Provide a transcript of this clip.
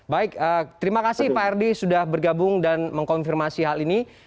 baik terima kasih pak erdi sudah bergabung dan mengkonfirmasi hal ini